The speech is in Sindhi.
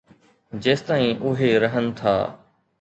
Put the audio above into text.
جيستائين اهي رهن ٿا.